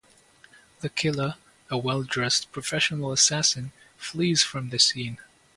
The killer, a well-dressed professional assassin, flees from the scene.